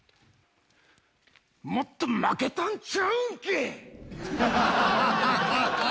もっと巻けたんちゃうんけ。